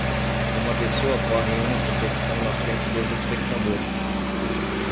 Uma pessoa corre em uma competição na frente dos espectadores.